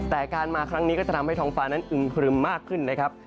แต่การมาครั้งนี้ก็จะทำให้ท้องฟ้านั้นอึมครึมมากขึ้นนะครับ